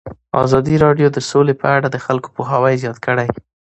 ازادي راډیو د سوله په اړه د خلکو پوهاوی زیات کړی.